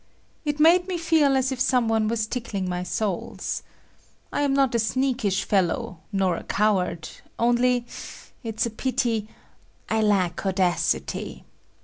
It made me feel as if some one was tickling my soles. I am not a sneakish fellow, nor a coward; only—it's a pity—I lack audacity.